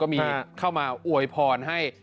มีเข้ามาอวยพรให้